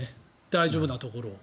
大丈夫なところを。